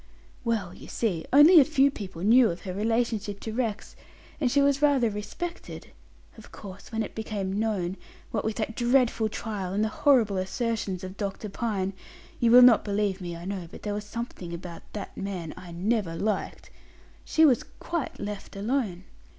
"Well, you see, only a few people knew of her relationship to Rex, and she was rather respected. Of course, when it became known, what with that dreadful trial and the horrible assertions of Dr. Pine you will not believe me, I know, there was something about that man I never liked she was quite left alone.